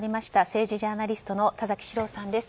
政治ジャーナリストの田崎史郎さんです。